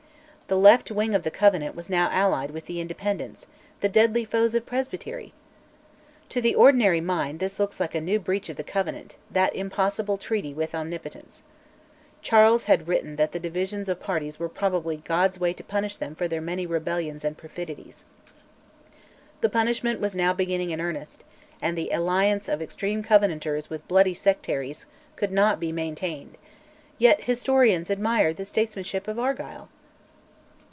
The left wing of the Covenant was now allied with the Independents the deadly foes of presbytery! To the ordinary mind this looks like a new breach of the Covenant, that impossible treaty with Omnipotence. Charles had written that the divisions of parties were probably "God's way to punish them for their many rebellions and perfidies." The punishment was now beginning in earnest, and the alliance of extreme Covenanters with "bloody sectaries" could not be maintained. Yet historians admire the statesmanship of Argyll!